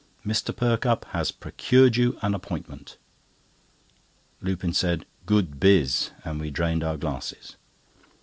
Mr. Perkupp has procured you an appointment!" Lupin said: "Good biz!" and we drained our glasses.